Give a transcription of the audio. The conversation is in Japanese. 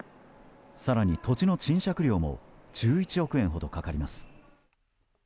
更に、土地の賃借料も１１億円ほどかかります。